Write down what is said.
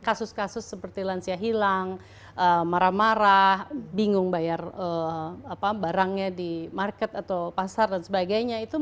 kasus kasus seperti lansia hilang marah marah bingung bayar barangnya di market atau pasar dan sebagainya